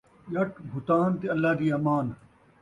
ڄٹ بھُتان تے اللہ دی امان